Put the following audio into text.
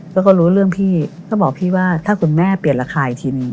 แล้วก็รู้เรื่องพี่ก็บอกพี่ว่าถ้าคุณแม่เปลี่ยนราคาอีกทีนึง